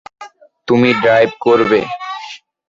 তুমি ড্রাইভ করবে?